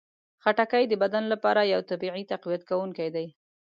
خټکی د بدن لپاره یو طبیعي تقویت کوونکی دی.